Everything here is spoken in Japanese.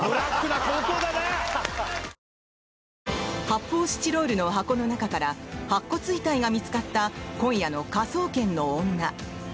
発泡スチロールの箱の中から白骨遺体が見つかった今夜の「科捜研の女」。